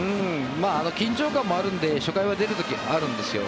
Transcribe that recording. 緊張感もあるので初回は出る時あるんですよ。